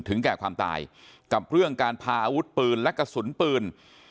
แก่ความตายกับเรื่องการพาอาวุธปืนและกระสุนปืน